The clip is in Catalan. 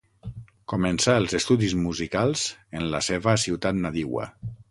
Començà els estudis musicals en la seva ciutat nadiua.